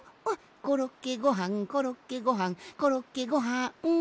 「コロッケごはんコロッケごはんコロッケごはん」